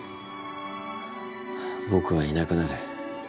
ぼくはいなくなる。